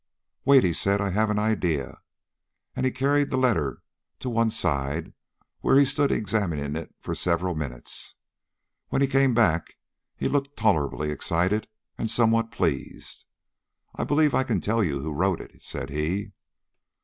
"Wait," said he, "I have an idea." And he carried the letter to one side, where he stood examining it for several minutes. When he came back he looked tolerably excited and somewhat pleased. "I believe I can tell you who wrote it," said he.